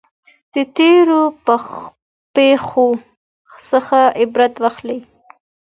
د تیرو پیښو څخه عبرت واخلئ.